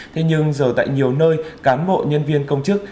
thế nhưng giờ tại nhiều nơi cán bộ nhân viên công chức